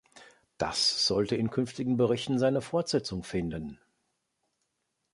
Das sollte in künftigen Berichten seine Fortsetzung finden.